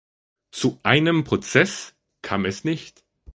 Zu einem Prozess kam es nicht.